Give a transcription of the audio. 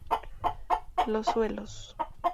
Los Suelos.